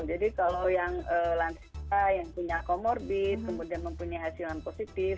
jadi kalau yang lansia yang punya komorbid kemudian mempunyai hasilan positif